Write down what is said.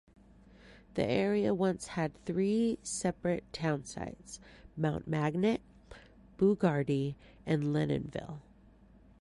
The area once had three separate town sites - Mount Magnet, Boogardie, and Lennonville.